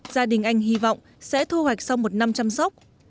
gia đình anh hy vọng sẽ thu hoạch sau một năm chăm sóc